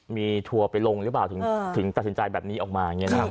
มีทัวร์ไปลงหรือเปล่าถึงตัดสินใจแบบนี้ออกมาอย่างนี้นะครับ